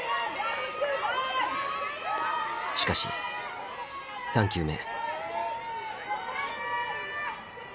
しかし３球目。